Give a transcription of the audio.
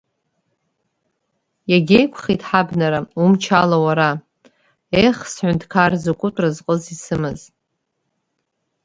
Иагьеиқәхеит ҳабнара, умч ала уара, ех, сҳәынҭқар, закәытә разҟыз исымаз…